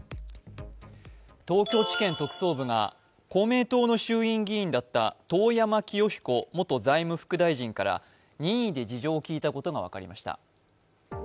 東京地検特捜部が公明党の衆議院議員だった遠山清彦元財務副大臣から任意で事情を聞いたことが分かりました。